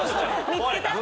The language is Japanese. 見つけた？